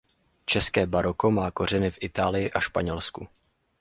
České baroko má kořeny v Itálii a Španělsku.